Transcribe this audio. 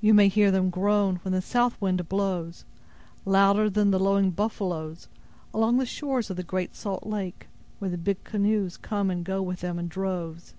You may hear them groan, when the south wind blows, louder than the lowing buffaloes, along the shores of the great salt lake, where the big canoes come and go with them in droves.